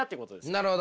なるほど。